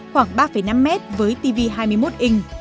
khoảng ba năm m với tivi hai mươi một inch